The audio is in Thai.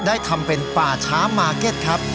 ทำเป็นป่าช้ามาร์เก็ตครับ